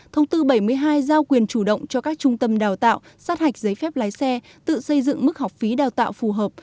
thông tư bảy mươi hai giao quyền chủ động cho các trung tâm đào tạo sát hạch giấy phép lái xe tự xây dựng mức học phí đào tạo phù hợp